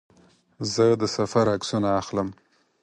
زه د سفر عکسونه اخلم.